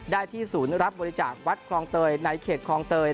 ได้ที่ศูนย์รับบริจาควัดคลองเตยในเขตคลองเตย